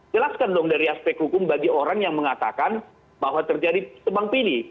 jelaskan dong dari aspek hukum bagi orang yang mengatakan bahwa terjadi tebang pilih